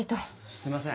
すいません